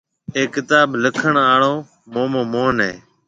اَي ڪتآب لِکڻ آݪو مومو موهن هيَ۔